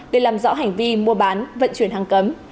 để làm rõ hành vi mua bán vận chuyển hàng cấm